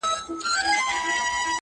د هغه هر وخت د ښکلا خبر په لپه کي دي ـ